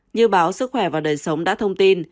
như báo sức khỏe và đời sống đã thông tin